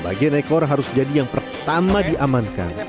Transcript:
bagian ekor harus jadi yang pertama diamankan